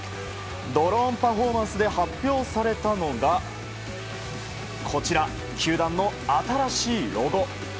ドローンパフォーマンスで発表されたのがこちら、球団の新しいロゴ。